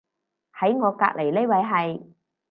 喺我隔離呢位係